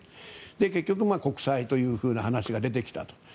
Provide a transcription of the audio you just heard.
結局国債という話が出てきたと。